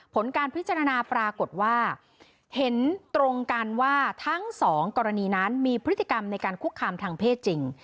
ผลการพิจารณาปรากฏว่าเห็นตรงกันว่าทั้งสองกรณีนั้นมีพฤติกรรมในการคุกคามทางเพศจริง